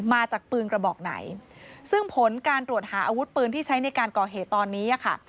มาจากปืนกระบอกไหนซึ่งผลการตรวจหาอาวุธปืนที่ใช้ในการก่อเหตุตอนนี้อ่ะค่ะ